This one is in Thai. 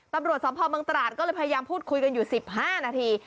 ตำรวจสมภาพเมืองตราดก็เลยพยายามพูดคุยกันอยู่๑๕นาที